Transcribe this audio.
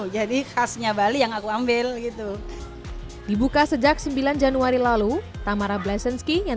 jadi khasnya bali yang aku ambil gitu dibuka sejak sembilan januari lalu tamara bleszczynski yang